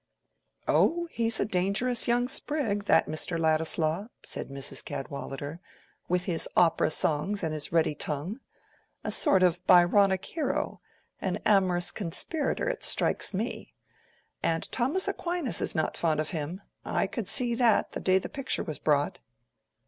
"Oh, he's a dangerous young sprig, that Mr. Ladislaw," said Mrs. Cadwallader, "with his opera songs and his ready tongue. A sort of Byronic hero—an amorous conspirator, it strikes me. And Thomas Aquinas is not fond of him. I could see that, the day the picture was brought."